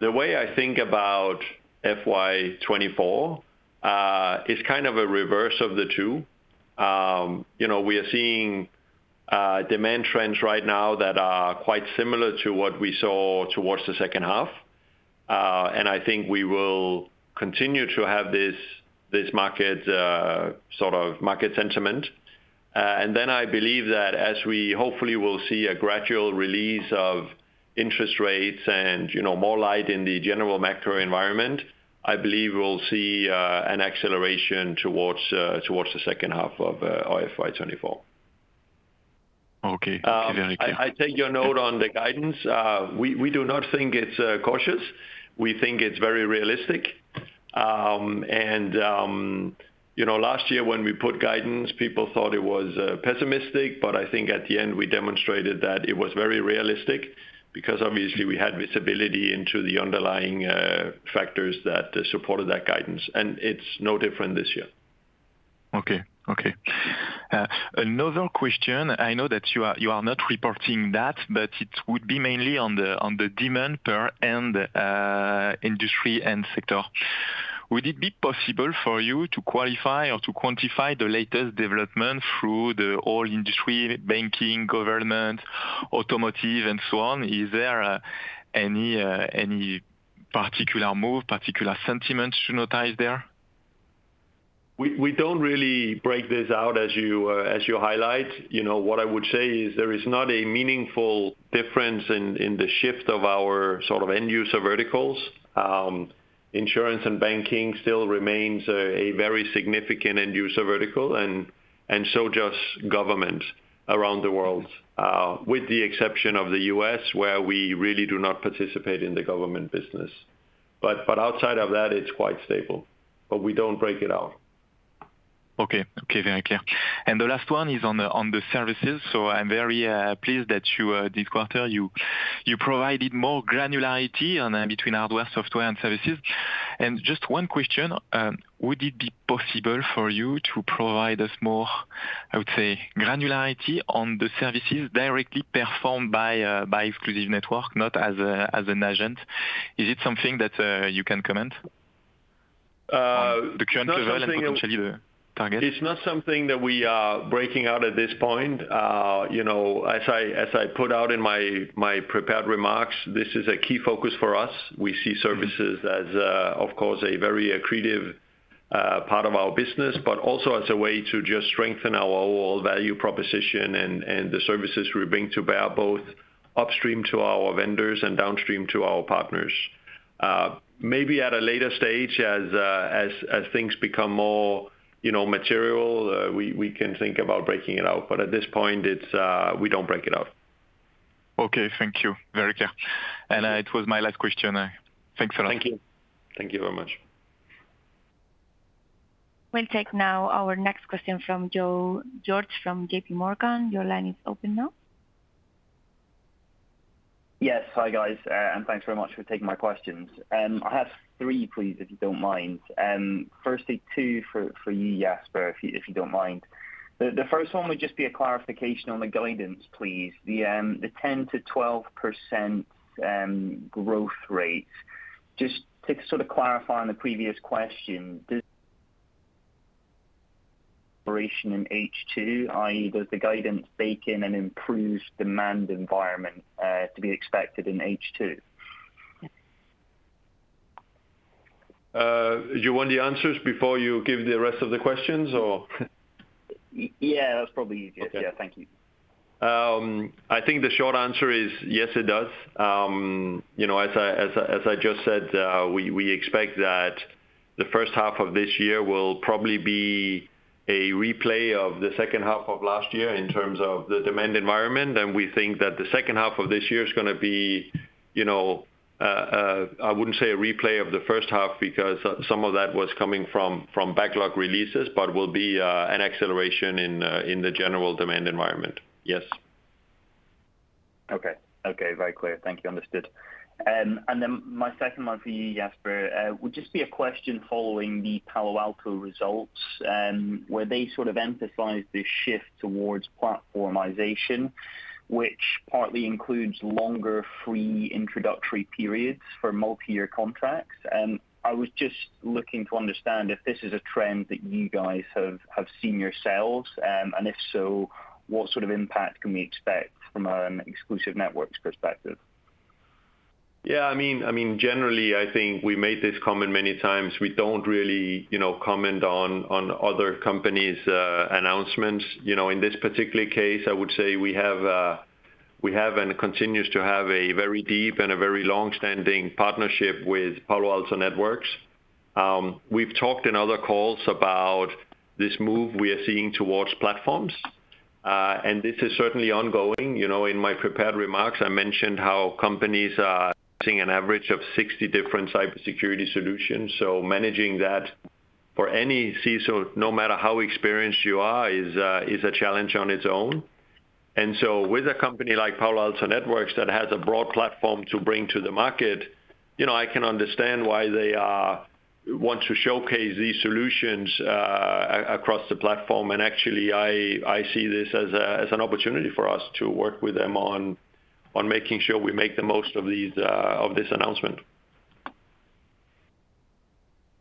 The way I think about FY 2024 is kind of a reverse of the two. We are seeing demand trends right now that are quite similar to what we saw towards the second half. And I think we will continue to have this market sort of market sentiment. And then I believe that as we hopefully will see a gradual release of interest rates and more light in the general macro environment, I believe we'll see an acceleration towards the second half of FY 2024. Okay. Clearly, clearly. I take your note on the guidance. We do not think it's cautious. We think it's very realistic. Last year, when we put guidance, people thought it was pessimistic. But I think at the end, we demonstrated that it was very realistic because, obviously, we had visibility into the underlying factors that supported that guidance. And it's no different this year. Okay. Okay. Another question. I know that you are not reporting that, but it would be mainly on the demand per end industry and sector. Would it be possible for you to qualify or to quantify the latest development through the whole industry, banking, government, automotive, and so on? Is there any particular move, particular sentiment to notice there? We don't really break this out as you highlight. What I would say is there is not a meaningful difference in the shift of our sort of end-user verticals. Insurance and banking still remains a very significant end-user vertical, and so does government around the world, with the exception of the U.S., where we really do not participate in the government business. But outside of that, it's quite stable. But we don't break it out. Okay. Okay. Very clear. And the last one is on the services. So I'm very pleased that this quarter, you provided more granularity between hardware, software, and services. And just one question. Would it be possible for you to provide us more, I would say, granularity on the services directly performed by Exclusive Networks, not as an agent? Is it something that you can comment? The current level and potentially the target? It's not something that we are breaking out at this point. As I put out in my prepared remarks, this is a key focus for us. We see services as, of course, a very accretive part of our business, but also as a way to just strengthen our overall value proposition and the services we bring to bear both upstream to our vendors and downstream to our partners. Maybe at a later stage, as things become more material, we can think about breaking it out. But at this point, we don't break it out. Okay. Thank you. Very clear. It was my last question. Thanks a lot. Thank you. Thank you very much. We'll take now our next question from Joe George from JP Morgan. Your line is open now. Yes. Hi, guys. Thanks very much for taking my questions. I have three, please, if you don't mind. Firstly, two for you, Jesper, if you don't mind. The first one would just be a clarification on the guidance, please. The 10%-12% growth rate, just to sort of clarify on the previous question. Operation in H2, i.e., does the guidance bake in an improved demand environment to be expected in H2? Do you want the answers before you give the rest of the questions, or? Yeah. That's probably easier. Yeah. Thank you. I think the short answer is yes, it does. As I just said, we expect that the first half of this year will probably be a replay of the second half of last year in terms of the demand environment. And we think that the second half of this year is going to be I wouldn't say a replay of the first half because some of that was coming from backlog releases, but will be an acceleration in the general demand environment. Yes. Okay. Okay. Very clear. Thank you. Understood. And then my second one for you, Jesper. Would just be a question following the Palo Alto Networks results, where they sort of emphasized the shift towards platformization, which partly includes longer free introductory periods for multi-year contracts. I was just looking to understand if this is a trend that you guys have seen yourselves. And if so, what sort of impact can we expect from an Exclusive Networks perspective? Yeah. I mean, generally, I think we made this comment many times. We don't really comment on other companies' announcements. In this particular case, I would say we have and continues to have a very deep and a very longstanding partnership with Palo Alto Networks. We've talked in other calls about this move we are seeing towards platforms. And this is certainly ongoing. In my prepared remarks, I mentioned how companies are using an average of 60 different cybersecurity solutions. So managing that for any CISO, no matter how experienced you are, is a challenge on its own. And so with a company like Palo Alto Networks that has a broad platform to bring to the market, I can understand why they want to showcase these solutions across the platform. And actually, I see this as an opportunity for us to work with them on making sure we make the most of this announcement.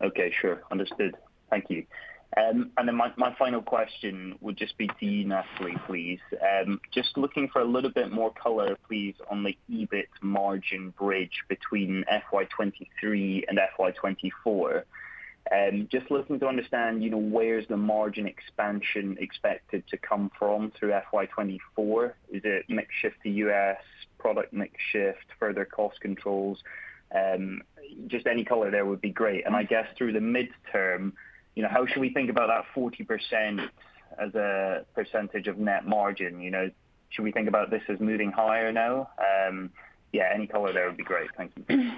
Okay. Sure. Understood. Thank you. And then my final question would just be to you, Nathalie, please. Just looking for a little bit more color, please, on the EBIT margin bridge between FY 2023 and FY 2024. Just looking to understand where is the margin expansion expected to come from through FY 2024? Is it mix shift to U.S., product mix shift, further cost controls? Just any color there would be great. I guess through the midterm, how should we think about that 40% as a percentage of net margin? Should we think about this as moving higher now? Yeah. Any color there would be great. Thank you.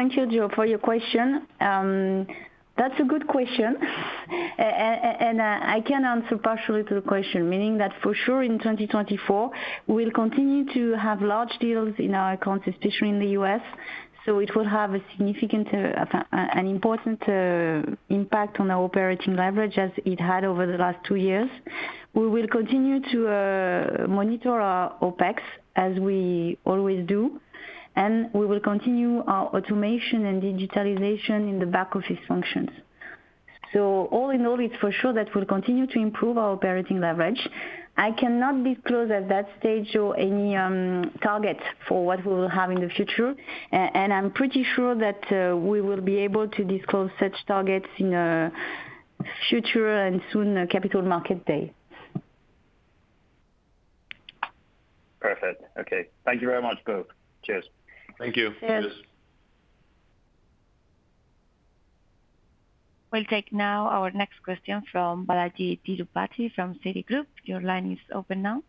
Thank you, Joe, for your question. That's a good question. I can answer partially to the question, meaning that for sure, in 2024, we'll continue to have large deals in our accounts, especially in the U.S. So it will have an important impact on our operating leverage as it had over the last two years. We will continue to monitor our OpEx as we always do. We will continue our automation and digitalization in the back-office functions. So all in all, it's for sure that we'll continue to improve our operating leverage. I cannot disclose at that stage, Joe, any target for what we will have in the future. And I'm pretty sure that we will be able to disclose such targets in a future and soon Capital Market Day. Perfect. Okay. Thank you very much, both. Cheers. Thank you. Cheers. We'll take now our next question from Balajee Tirupati from Citigroup. Your line is open now.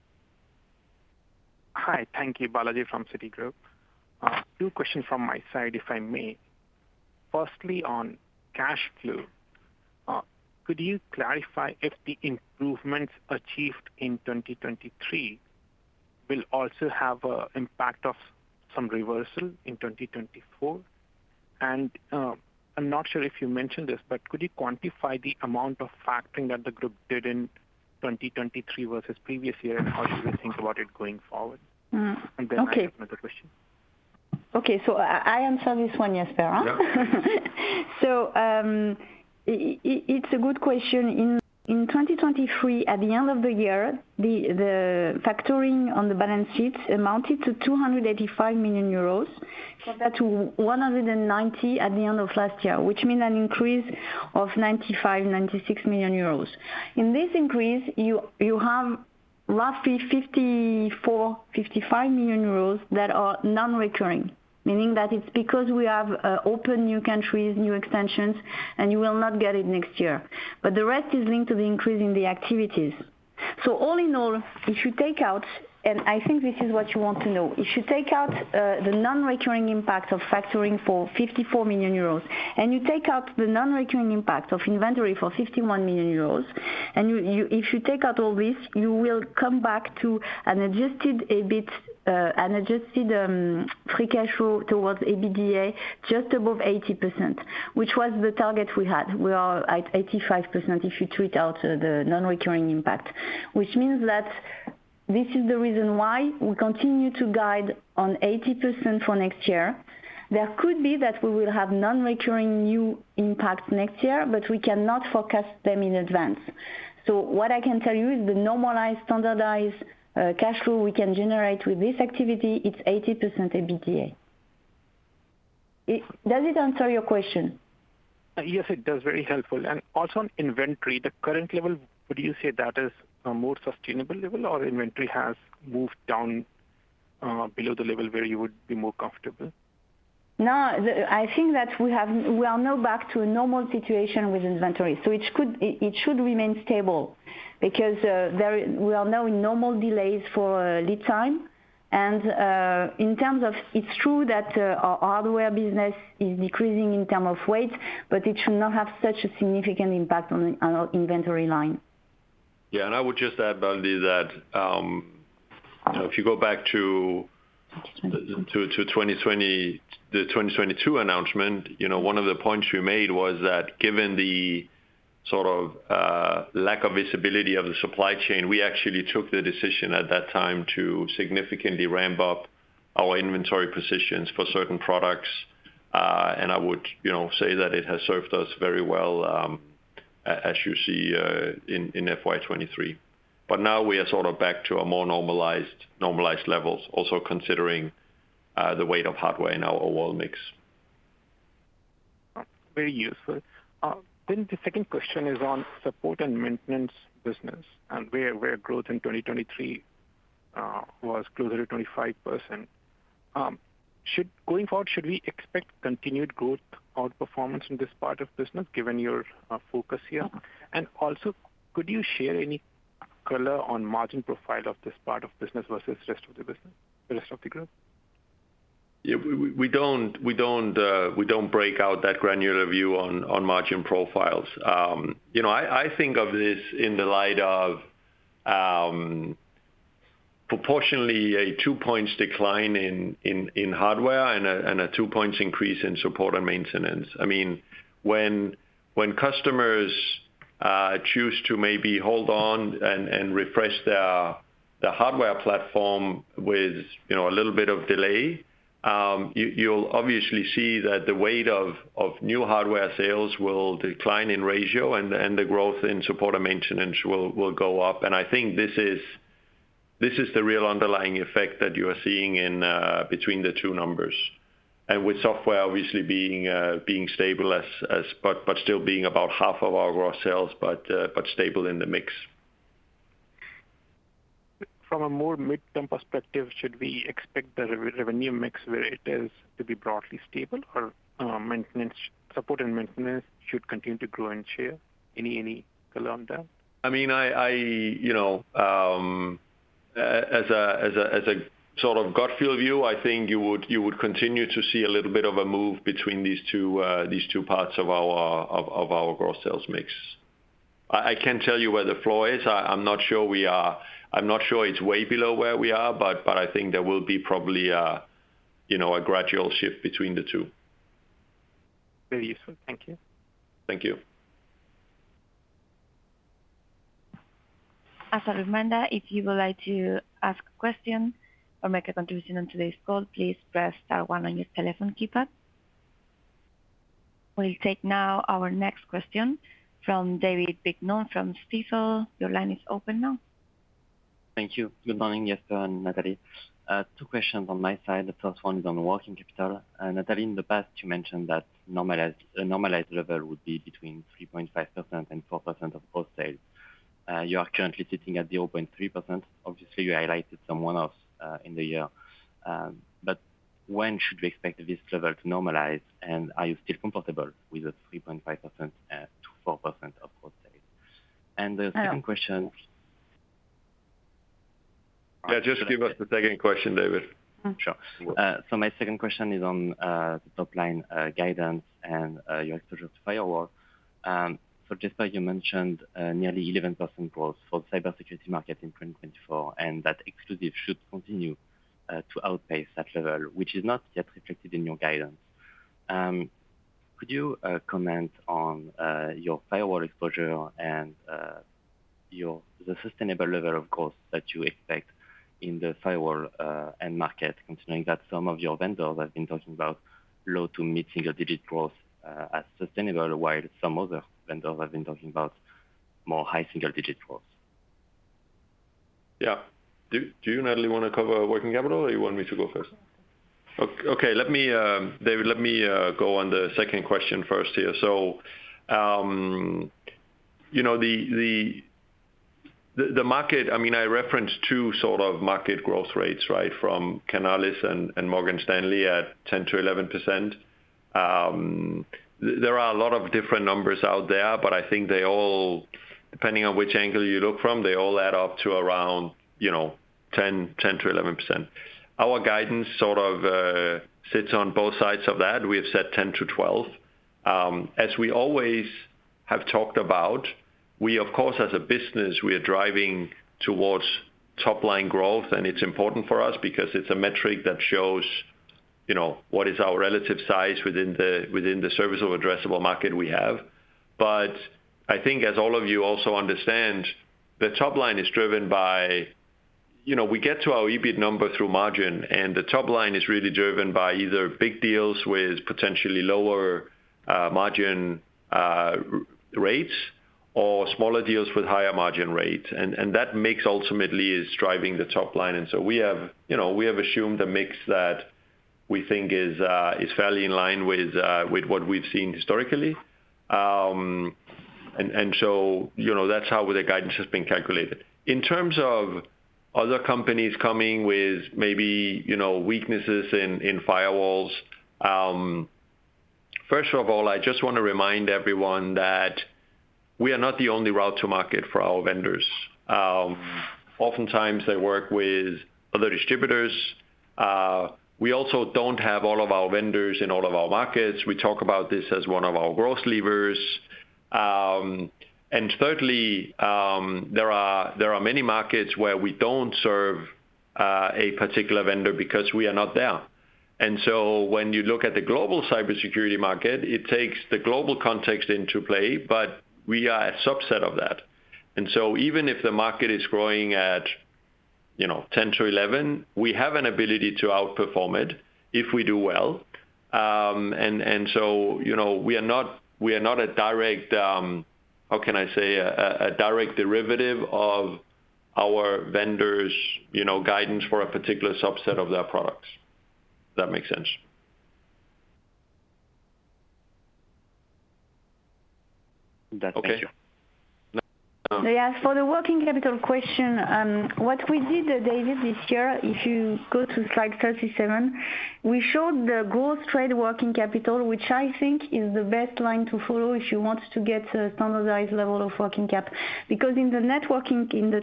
Hi. Thank you, Balajee from Citigroup. Two questions from my side, if I may. Firstly, on cash flow, could you clarify if the improvements achieved in 2023 will also have an impact of some reversal in 2024? And I'm not sure if you mentioned this, but could you quantify the amount of factoring that the group did in 2023 versus previous year, and how should we think about it going forward? And then I can answer the question. Okay. So I answer this one, Jesper. So it's a good question. In 2023, at the end of the year, the factoring on the balance sheets amounted to 285 million euros compared to 190 million at the end of last year, which means an increase of 95 million, 96 million euros. In this increase, you have roughly 54 million, 55 million euros that are non-recurring, meaning that it's because we have open new countries, new extensions, and you will not get it next year. But the rest is linked to the increase in the activities. So all in all, if you take out and I think this is what you want to know. If you take out the non-recurring impact of factoring for 54 million euros, and you take out the non-recurring impact of inventory for 51 million euros, and if you take out all this, you will come back to an adjusted free cash flow towards EBITDA just above 80%, which was the target we had. We are at 85% if you take out the non-recurring impact, which means that this is the reason why we continue to guide on 80% for next year. There could be that we will have non-recurring new impacts next year, but we cannot forecast them in advance. So what I can tell you is the normalized, standardized cash flow we can generate with this activity, it's 80% EBITDA. Does it answer your question? Yes, it does. Very helpful. Also on inventory, the current level, would you say that is a more sustainable level, or inventory has moved down below the level where you would be more comfortable? No. I think that we are now back to a normal situation with inventory. It should remain stable because we are now in normal delays for lead time. And in terms of it's true that our hardware business is decreasing in terms of weight, but it should not have such a significant impact on our inventory line. Yeah. I would just add, Balajee, that if you go back to the 2022 announcement, one of the points you made was that given the sort of lack of visibility of the supply chain, we actually took the decision at that time to significantly ramp up our inventory positions for certain products. And I would say that it has served us very well, as you see, in FY 2023. But now we are sort of back to our more normalized levels, also considering the weight of hardware in our overall mix. Very useful. Then the second question is on support and maintenance business and where growth in 2023 was closer to 25%. Going forward, should we expect continued growth outperformance in this part of business given your focus here? And also, could you share any color on margin profile of this part of business versus the rest of the business, the rest of the group? Yeah. We don't break out that granular view on margin profiles. I think of this in the light of proportionally a two-point decline in hardware and a two-point increase in support and maintenance. I mean, when customers choose to maybe hold on and refresh their hardware platform with a little bit of delay, you'll obviously see that the weight of new hardware sales will decline in ratio, and the growth in support and maintenance will go up. And I think this is the real underlying effect that you are seeing between the two numbers, and with software obviously being stable but still being about half of our gross sales, but stable in the mix. From a more midterm perspective, should we expect the revenue mix where it is to be broadly stable, or support and maintenance should continue to grow in share? Any color on that? I mean, as a sort of gut-feel view, I think you would continue to see a little bit of a move between these two parts of our gross sales mix. I can't tell you where the floor is. I'm not sure we are. I'm not sure it's way below where we are, but I think there will be probably a gradual shift between the two. Very useful. Thank you. Thank you. As a reminder, if you would like to ask a question or make a contribution on today's call, please press star one on your telephone keypad. We'll take now our next question from David Vignon from Stifel. Your line is open now. Thank you. Good morning, Jesper and Nathalie. Two questions on my side. The first one is on working capital. Nathalie, in the past, you mentioned that a normalized level would be between 3.5% and 4% of gross sales. You are currently sitting at 0.3%. Obviously, you highlighted some one-offs in the year. But when should we expect this level to normalize? Are you still comfortable with a 3.5%-4% of gross sales? And the second question. Yeah. Just give us the second question, David. Sure. So my second question is on the topline guidance and your exposure to firewall. So Jesper, you mentioned nearly 11% growth for the cybersecurity market in 2024, and that Exclusive Networks should continue to outpace that level, which is not yet reflected in your guidance. Could you comment on your firewall exposure and the sustainable level of growth that you expect in the firewall end market, considering that some of your vendors have been talking about low- to mid-single-digit growth as sustainable, while some other vendors have been talking about more high-single-digit growth? Yeah. Do you, Nathalie, want to cover working capital, or you want me to go first? Okay. David, let me go on the second question first here. So the market, I mean, I referenced two sort of market growth rates, right, from Canalys and Morgan Stanley at 10%-11%. There are a lot of different numbers out there, but I think they all, depending on which angle you look from, they all add up to around 10%-11%. Our guidance sort of sits on both sides of that. We have set 10%-12%. As we always have talked about, we, of course, as a business, we are driving towards topline growth, and it's important for us because it's a metric that shows what is our relative size within the serviceable addressable market we have. But I think, as all of you also understand, the topline is driven by we get to our EBIT number through margin, and the topline is really driven by either big deals with potentially lower margin rates or smaller deals with higher margin rates. That mix ultimately is driving the topline. We have assumed a mix that we think is fairly in line with what we've seen historically. That's how the guidance has been calculated. In terms of other companies coming with maybe weaknesses in firewalls, first of all, I just want to remind everyone that we are not the only route to market for our vendors. Oftentimes, they work with other distributors. We also don't have all of our vendors in all of our markets. We talk about this as one of our growth levers. And thirdly, there are many markets where we don't serve a particular vendor because we are not there. And so when you look at the global cybersecurity market, it takes the global context into play, but we are a subset of that. And so even if the market is growing at 10%-11%, we have an ability to outperform it if we do well. And so we are not a direct, how can I say, a direct derivative of our vendor's guidance for a particular subset of their products. If that makes sense. That's it. Thank you. So yeah, for the working capital question, what we did, David, this year, if you go to slide 37, we showed the gross trade working capital, which I think is the best line to follow if you want to get a standardized level of working cap. Because in the networking in the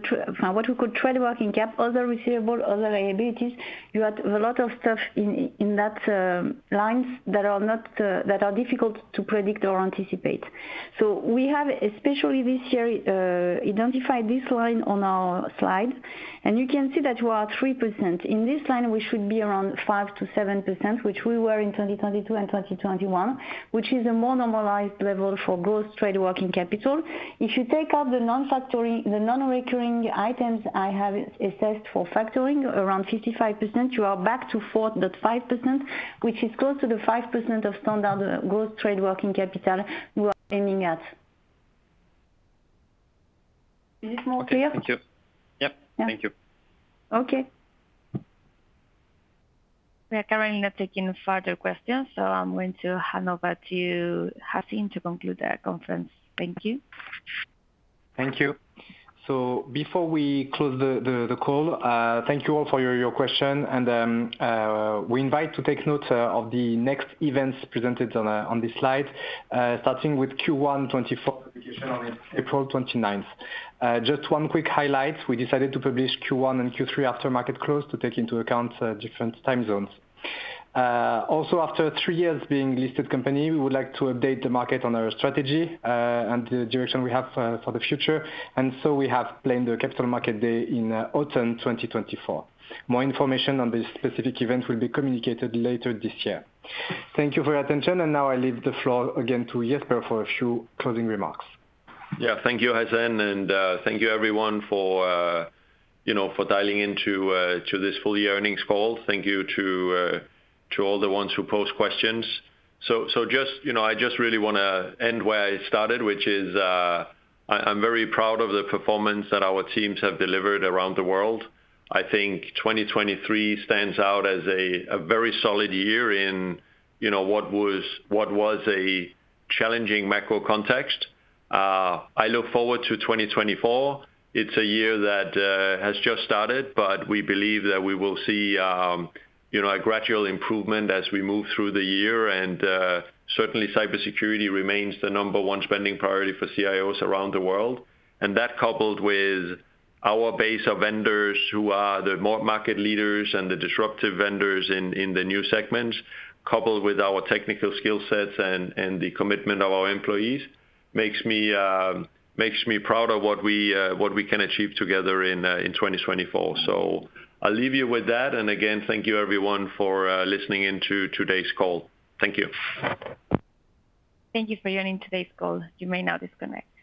what we call trade working cap, other receivable, other liabilities, you have a lot of stuff in that lines that are difficult to predict or anticipate. So we have, especially this year, identified this line on our slide. And you can see that you are at 3%. In this line, we should be around 5%-7%, which we were in 2022 and 2021, which is a more normalized level for gross trade working capital. If you take out the non-recurring items I have assessed for factoring, around 55%, you are back to 4.5%, which is close to the 5% of standard gross trade working capital we are aiming at. Is this more clear? Thank you. Yep. Thank you. Okay. We are currently not taking further questions, so I'm going to hand over to Hacène to conclude the conference. Thank you. Thank you. Before we close the call, thank you all for your question. We invite you to take note of the next events presented on this slide, starting with Q1 2024 publication on April 29th. Just one quick highlight. We decided to publish Q1 and Q3 after market close to take into account different time zones. Also, after three years being a listed company, we would like to update the market on our strategy and the direction we have for the future. So we have planned the Capital Market Day in autumn 2024. More information on this specific event will be communicated later this year. Thank you for your attention. Now I leave the floor again to Jesper for a few closing remarks. Yeah. Thank you, Hacène. And thank you, everyone, for dialing into this full year earnings call. Thank you to all the ones who posed questions. So I just really want to end where I started, which is I'm very proud of the performance that our teams have delivered around the world. I think 2023 stands out as a very solid year in what was a challenging macro context. I look forward to 2024. It's a year that has just started, but we believe that we will see a gradual improvement as we move through the year. And certainly, cybersecurity remains the number one spending priority for CIOs around the world. And that, coupled with our base of vendors who are the market leaders and the disruptive vendors in the new segments, coupled with our technical skill sets and the commitment of our employees, makes me proud of what we can achieve together in 2024. So I'll leave you with that. And again, thank you, everyone, for listening into today's call. Thank you. Thank you for joining today's call. You may now disconnect.